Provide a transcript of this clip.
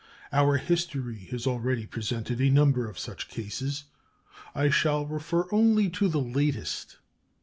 Our history has already presented a number of such cases. I shall refer only to the latest.